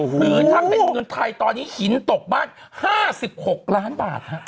คือถ้าเป็นเงินไทยตอนนี้หินตกบ้าน๕๖ล้านบาทฮะ